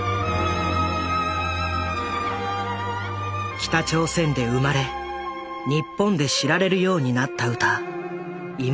北朝鮮で生まれ日本で知られるようになった歌「イムジン河」。